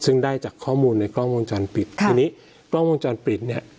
ซึ่งได้จากข้อมูลในกล้องวงจรปิดค่ะทีนี้กล้องวงจรปิดเนี่ย